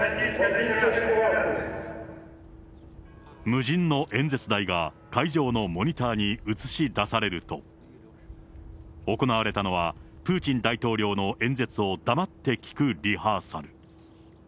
無人の演説台が会場のモニターに映し出されると、行われたのは、プーチン大統領の演説を黙って聞くリハーサル。